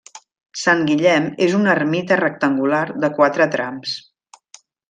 Sant Guillem és una ermita rectangular de quatre trams.